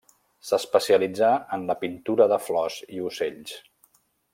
S'especialitzà en la pintura de flors i ocells.